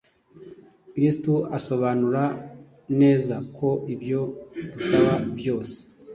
Kristo asobanura neza ko ibyo dusaba byose